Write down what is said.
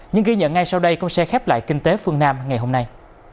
những ghi nhận ngay sau đây cũng sẽ khép lại kinh tế phương nam ngày hôm nay